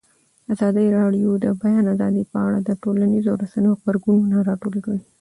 ازادي راډیو د د بیان آزادي په اړه د ټولنیزو رسنیو غبرګونونه راټول کړي.